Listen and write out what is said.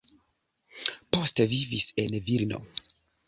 Poste vivis en Vilno.